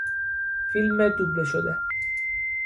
فیلم دوبله شده